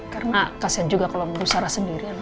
karena kasihan juga kalo ibu sarah sendirian